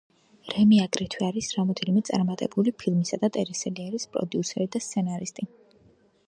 რეიმი, აგრთვე არის რამდენიმე წარმატებული ფილმისა და ტელესერიალის პროდიუსერი და სცენარისტი.